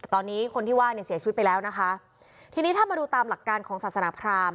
ตอนนี้คนที่ว่าเนี่ยเสียชีวิตไปแล้วนะคะทีนี้ถ้ามาดูตามหลักการของศาสนาพราม